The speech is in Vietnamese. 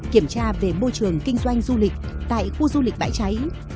kiểm tra về môi trường kinh doanh du lịch tại khu du lịch bãi cháy